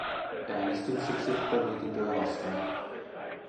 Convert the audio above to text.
Äänestin siksi tätä mietintöä vastaan.